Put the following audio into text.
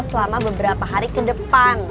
selama beberapa hari ke depan